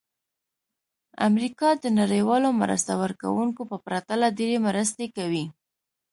امریکا د نړیوالو مرسته ورکوونکو په پرتله ډېرې مرستې کوي.